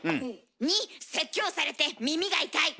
２説教されて耳が痛い。